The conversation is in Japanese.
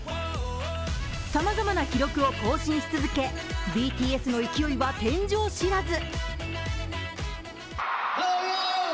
さまざまな記録を更新し続けＢＴＳの勢いは天井知らず。